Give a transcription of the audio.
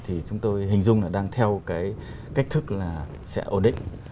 thì chúng tôi hình dung là đang theo cái cách thức là sẽ ổn định